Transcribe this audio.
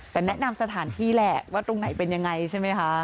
แต่แนะนำสถานที่แหละว่าตรงไหนเป็นยังไงใช่ไหมคะ